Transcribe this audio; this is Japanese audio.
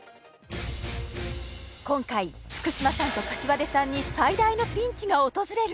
今回福嶌さんと膳さんに最大のピンチが訪れる！？